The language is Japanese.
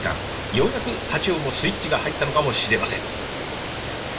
ようやくタチウオもスイッチが入ったのかもしれません。